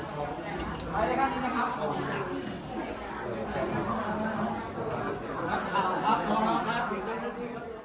ขอบคุณมากครับขอบคุณมากครับ